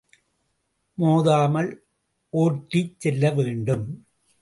மோதாமல் ஓட்டிச் செல்லவேண்டும்.